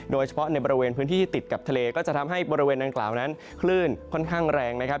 โดยเฉพาะในบริเวณพื้นที่ติดกับทะเลก็จะทำให้บริเวณดังกล่าวนั้นคลื่นค่อนข้างแรงนะครับ